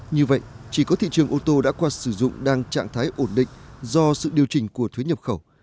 như vậy chỉ có thị trường ô tô đã qua sử dụng đang trạng thái ổn định do sự điều chỉnh của thuế nhập khẩu